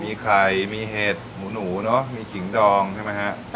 มีไข่มีเห็ดหมูเนอะมีขิงดองใช่ไหมฮะ